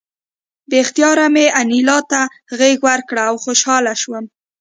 بې اختیاره مې انیلا ته غېږ ورکړه او خوشحاله شوم